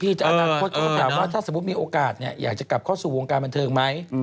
พี่จะอาณาควรถามว่าถ้าสมมุติมีโอกาสเนี่ยอยากจะกลับเข้าสู่วงการบรรเทิงไหม